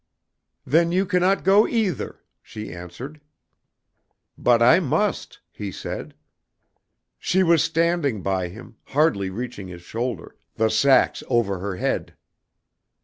"Then you cannot go either," she answered. "But I must," he said. She was standing by him, hardly reaching his shoulder, the sacks over her head.